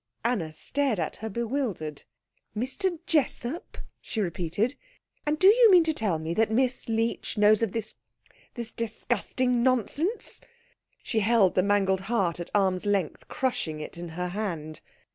Anna stared at her, bewildered. "Mr. Jessup?" she repeated. "And do you mean to tell me that Miss Leech knows of this this disgusting nonsense?" She held the mangled heart at arm's length, crushing it in her hand.